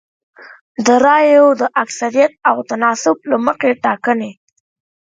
د رایو د اکثریت او تناسب له مخې ټاکنې